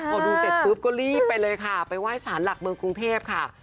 พอดูเสร็จปุ๊บก็รีบไปเลยค่ะไปไหว้สารหลักเมืองกรุงเทพค่ะ